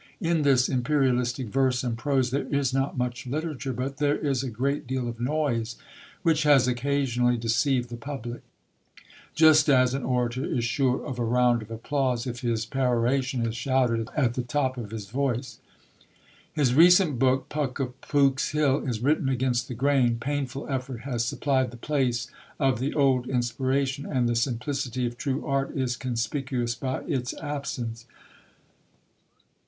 In this imperialistic verse and prose there is not much literature, but there is a great deal of noise, which has occasionally deceived the public; just as an orator is sure of a round of applause if his peroration is shouted at the top of his voice. His recent book, Puck of Pook's Hill, is written against the grain; painful effort has supplied the place of the old inspiration, and the simplicity of true art is conspicuous by its absence.